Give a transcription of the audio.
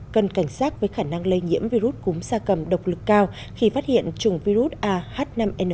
cần cảnh sát với khả năng lây nhiễm virus cúm sa cầm độc lực cao khi phát hiện trùng virus a h năm n một